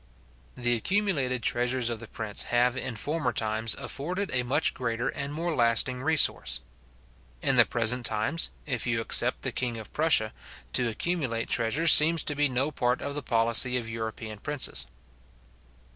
The accumulated treasures of the prince have in former times afforded a much greater and more lasting resource. In the present times, if you except the king of Prussia, to accumulate treasure seems to be no part of the policy of European princes.